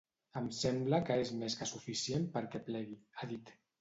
Em sembla que és més que suficient perquè plegui, ha dit.